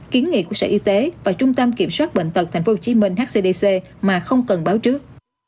kiến nghị của sở y tế và trung tâm kiểm soát bệnh tật tp hcm hcdc mà không cần báo trước